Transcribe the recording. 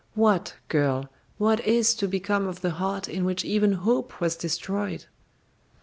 What, girl, what is to become of the heart in which even hope was destroyed?"